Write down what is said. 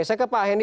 saya ke pak hendy